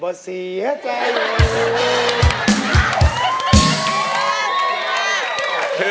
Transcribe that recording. ประเศษสีห้าใจหรือ